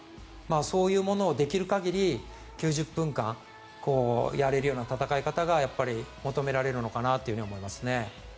そういうものをできる限り９０分間やれるような戦い方がやっぱり求められるのかなと思いますね。